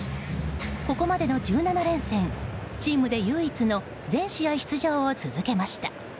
ここまでの１７連戦チームで唯一の全試合出場を続けました。